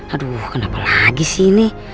aduh kenapa lagi sih ini